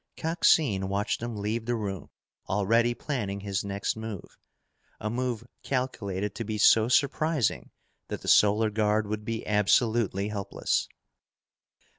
Coxine watched them leave the room, already planning his next move, a move calculated to be so surprising that the Solar Guard would be absolutely helpless.